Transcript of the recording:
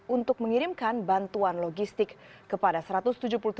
untuk mengirimkan bantuan logistik kepada satu ratus tujuh puluh tujuh orang tersebut ke detensi imigrasi